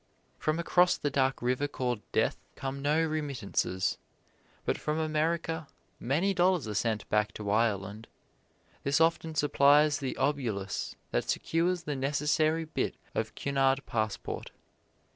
From across the dark river called Death come no remittances; but from America many dollars are sent back to Ireland. This often supplies the obolus that secures the necessary bit of Cunard passport.